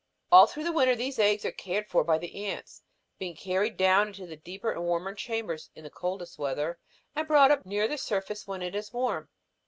All through the winter these eggs are cared for by the ants, being carried down into the deeper and warmer chambers in the coldest weather, and brought up nearer the surface when it is warm.